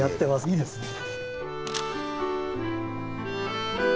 いいですね。